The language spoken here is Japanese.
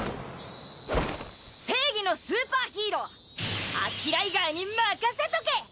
正義のスーパーヒーローアキライガーに任せとけ！